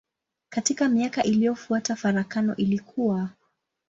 Katika miaka iliyofuata farakano ilikua.